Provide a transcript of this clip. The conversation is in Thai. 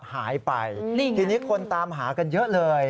หายไปทีนี้คนตามหากันเยอะเลย